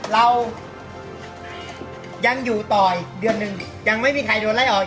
เรายังอยู่ต่ออีกเดือนหนึ่งยังไม่มีใครโดนไล่ออก